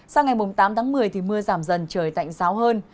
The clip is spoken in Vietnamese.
sang ngày tám tháng một mươi mưa giảm dần trời tạnh ráo hơn